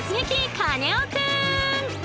カネオくん！